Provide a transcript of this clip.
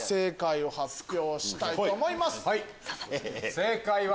正解は。